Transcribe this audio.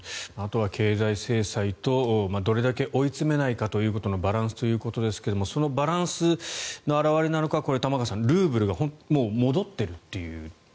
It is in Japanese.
あとは経済制裁とどれだけ追い詰めないかということのバランスということですがそのバランスの表れなのかルーブルが戻っているという。